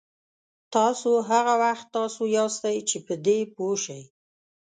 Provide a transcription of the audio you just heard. تاسو هغه وخت تاسو یاستئ چې په دې پوه شئ.